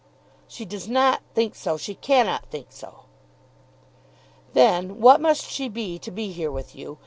"She does not think so. She cannot think so." "Then what must she be, to be here with you?